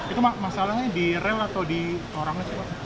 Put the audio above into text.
itu masalahnya di rel atau di orang